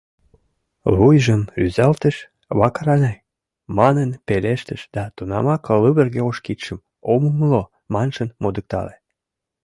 Вуйжым рӱзалтыш, «Вакаранай!» манын пелештыш да тунамак лывырге ош кидшым «ом умыло» маншын модыктале.